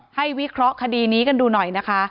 อเรนนี่ให้วิเคราะห์คดีนี้กันดูหน่อยนะคะ